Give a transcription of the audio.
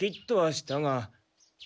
したが？